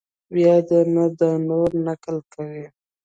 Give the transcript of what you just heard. بیا در نه دا نور نقل کوي!